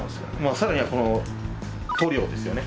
更にはこの塗料ですよね。